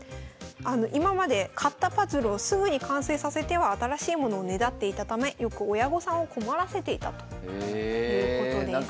今まで買ったパズルをすぐに完成させては新しいものをねだっていたためよく親御さんを困らせていたということです。